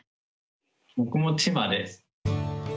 僕も千葉です。